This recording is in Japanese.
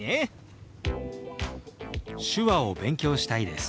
「手話を勉強したいです」。